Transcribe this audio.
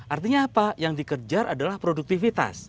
artinya apa yang dikejar adalah produktivitas